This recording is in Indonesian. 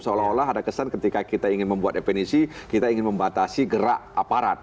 seolah olah ada kesan ketika kita ingin membuat definisi kita ingin membatasi gerak aparat